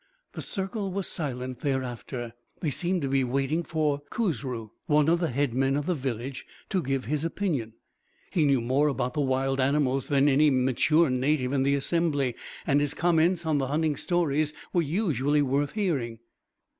The circle was silent thereafter. They seemed to be waiting for Khusru, one of the head men of the village, to give his opinion. He knew more about the wild animals than any mature native in the assembly, and his comments on the hunting stories were usually worth hearing.